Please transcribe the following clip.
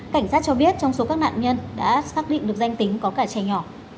cảnh sát cho biết trong số các nạn nhân đã xác định được danh tính có cả trẻ nhỏ